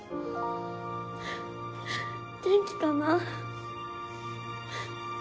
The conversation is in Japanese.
元気かな？